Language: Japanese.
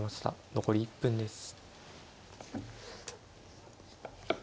残り１分です。